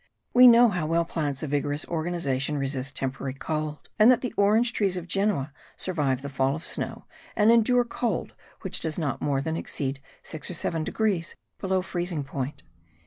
We know how well plants of vigorous organization resist temporary cold, and that the orange trees of Genoa survive the fall of snow and endure cold which does not more than exceed 6 or 7 degrees below freezing point.